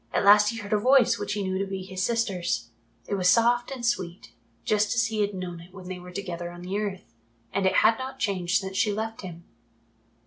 At last he heard a voice which he knew to be his sister's. It was soft and sweet, just as he had known it when they were together on the earth, and it had not changed since she left him.